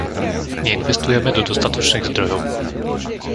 Neinvestujeme do dostatočných zdrojov.